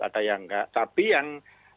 ada yang enggak tapi yang